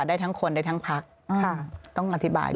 ได้ทั้งคนได้ทั้งพักต้องอธิบาย